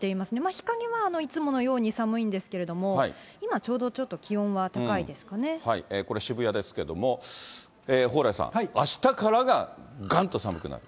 日陰もいつものように寒いんですけれども、今ちょうど、これ渋谷ですけれども、蓬莱さん、あしたからががんと寒くなる？